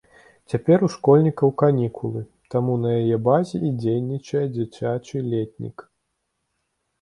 Цяпер у школьнікаў канікулы, таму на яе базе і дзейнічае дзіцячы летнік.